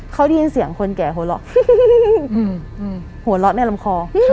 เขาได้ยินเสียงคนแก่โหละโหละในลำคอ